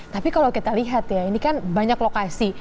tapi kalau kita lihat ya ini kan banyak lokasi